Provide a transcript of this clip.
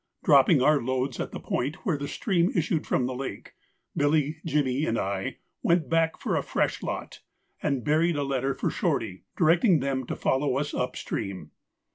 Dropping our loads at the point where the stream issued from the lake, Billy, Jimmy, and I went back for a fresh lot, and buried a letter for Shorty, directing them to follow us up stream.